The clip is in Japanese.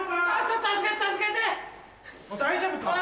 大丈夫か？